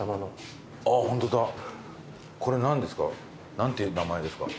何ていう名前ですか？